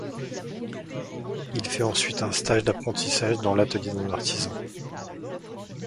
Il fait ensuite un stage d'apprentissage dans l'atelier d'un artisan.